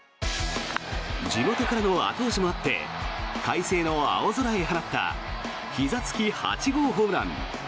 地元からの後押しもあって快晴の青空へ放ったひざ突き８号ホームラン。